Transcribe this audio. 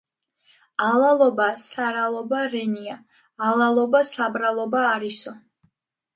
ალალობა სარალობა რენია.„ალალობა საბრალობა არისო“.